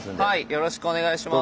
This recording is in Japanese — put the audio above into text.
よろしくお願いします。